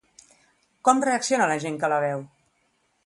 Com reacciona la gent que la veu?